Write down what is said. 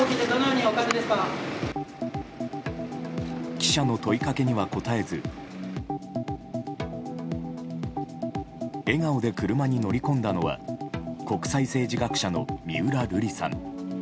記者の問いかけには答えず笑顔で車に乗り込んだのは国際政治学者の三浦瑠麗さん。